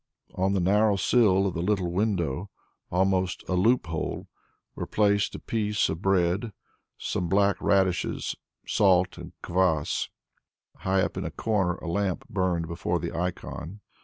On the narrow sill of the little window almost a loop hole were placed a piece of bread, some black radishes, salt and kvass; high up in a corner a lamp burned before the icon.